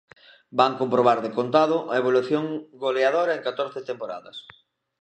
Van comprobar de contado a evolución goleadora en catorce temporadas.